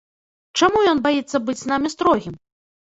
Чаму ён баіцца быць з намі строгім?